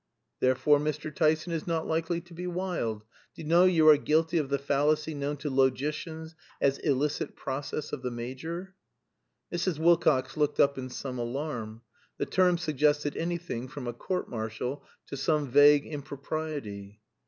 "Therefore Mr. Tyson is not likely to be wild. Do you know you are guilty of the fallacy known to logicians as illicit process of the major?" Mrs. Wilcox looked up in some alarm. The term suggested anything from a court martial to some vague impropriety.